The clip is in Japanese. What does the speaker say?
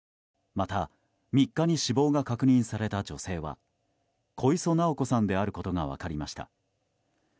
また、３日に死亡が確認された女性は小磯尚子さんであることが分かりました。